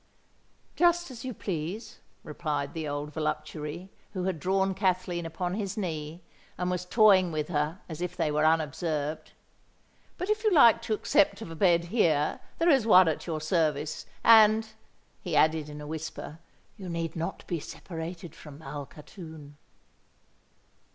"Just as you please," replied the old voluptuary, who had drawn Kathleen upon his knee, and was toying with her as if they were unobserved: "but if you like to accept of a bed here, there is one at your service—and," he added, in a whisper, "you need not be separated from Malkhatoun."